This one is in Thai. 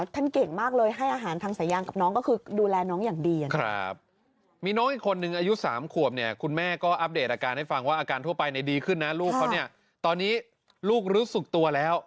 ตรงนี้ลูกรู้สุขตัวแล้ว